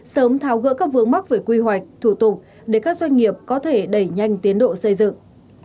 sớm tháo gỡ các vướng mắc về quy hoạch thủ tục để các doanh nghiệp có thể đẩy nhanh tiến độ xây dựng